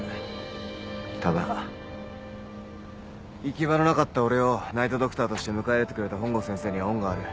行き場のなかった俺をナイト・ドクターとして迎え入れてくれた本郷先生には恩がある。